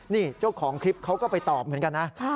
นี่เจ้าของคลิปเขาก็ไปตอบเหมือนกันนะ